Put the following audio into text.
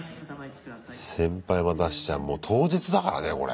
先輩待たせちゃもう当日だからねこれ。